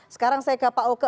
sekarang saya ke pak oke